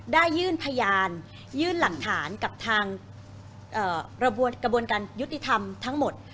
ได้ยื่นพยานยื่นหลักฐานกับทางกระบวนการยุติธรรมทั้งหมด